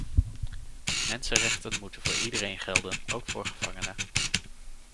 Mensenrechten moeten voor iedereen gelden, ook voor gevangenen.